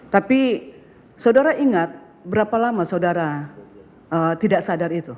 tapi saudara ingat berapa lama saudara tidak sadar itu